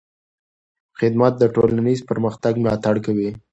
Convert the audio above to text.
خدمت د ټولنیز پرمختګ ملاتړ کوي.